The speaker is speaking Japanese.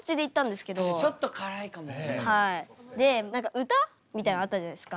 で何か歌みたいなのあったじゃないですか。